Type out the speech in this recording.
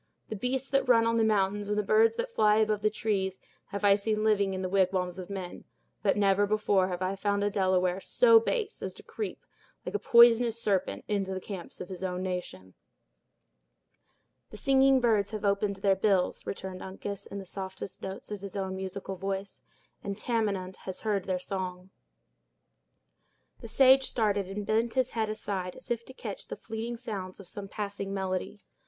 The beasts that run on the mountains, and the birds that fly above the trees, have I seen living in the wigwams of men; but never before have I found a Delaware so base as to creep, like a poisonous serpent, into the camps of his nation." "The singing birds have opened their bills," returned Uncas, in the softest notes of his own musical voice; "and Tamenund has heard their song." The sage started, and bent his head aside, as if to catch the fleeting sounds of some passing melody.